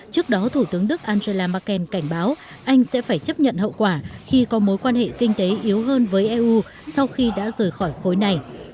trước đó thủ tướng đức angela merkel cảnh báo anh sẽ phải chấp nhận hậu quả khi có mối quan hệ kinh tế yếu hơn với eu sau khi đã rời khỏi khối này